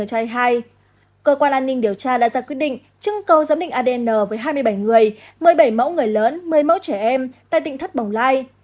cơ quan an ninh điều tra đã ra quyết định trưng cầu giám định adn với hai mươi bảy người một mươi bảy mẫu người lớn một mươi mẫu trẻ em tại tỉnh thất bồng lai